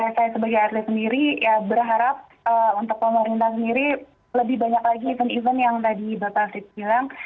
saya sebagai atlet sendiri ya berharap untuk pemerintah sendiri lebih banyak lagi event event yang tadi bapak fit bilang